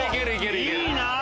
いいな！